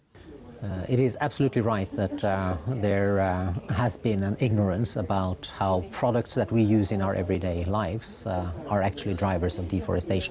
benar ada kejahatan tentang bagaimana produk yang kita gunakan di hidup kita sebenarnya merusak deforestasi